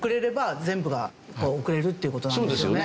っていう事なんですよね。